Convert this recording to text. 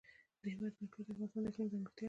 د هېواد مرکز د افغانستان د اقلیم ځانګړتیا ده.